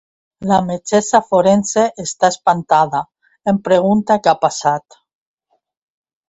La metgessa forense està espantada, em pregunta què ha passat.